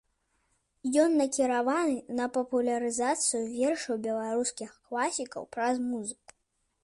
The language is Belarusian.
Ён накіраваны на папулярызацыю вершаў беларускіх класікаў праз музыку.